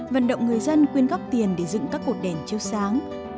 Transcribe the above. vận động người dân quyên góp tiền để dựng các cột đèn chiếu sáng